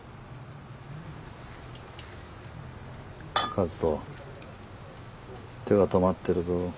和人手が止まってるぞ。